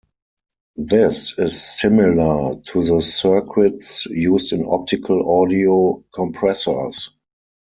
This is similar to the circuits used in optical audio compressors.